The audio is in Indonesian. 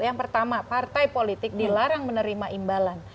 yang pertama partai politik dilarang menerima imbalan